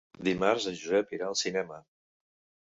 Dimarts en Josep irà al cinema.